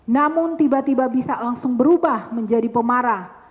namun tiba tiba bisa langsung berubah menjadi pemarah